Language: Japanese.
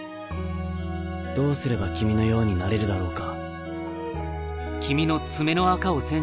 どうすれば君のようになれるだろうか